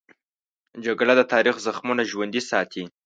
جګړه د تاریخ زخمونه ژوندي ساتي